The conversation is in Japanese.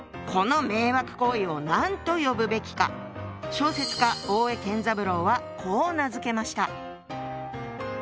小説家大江健三郎はこう名付けました。